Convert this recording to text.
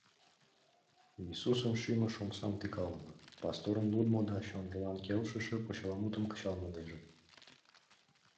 Иисусын шӱмыш омсам тӱкалыме, пасторын лудмо да чонжылан келшыше почеламутым кычал мунеже.